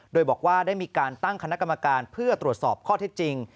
โดยบอกว่าได้มีการตั้งคณะกรรมการเพื่อตรวจสอบข้อเท็จจริง